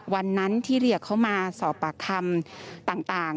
วันนั้นที่เรียกเขามาสอบปากคำต่าง